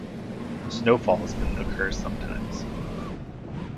Snowfalls can occur sometimes.